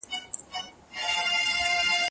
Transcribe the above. که وخت وي، سبا ته فکر کوم،